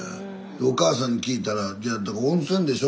お母さんに聞いたら温泉でしょ？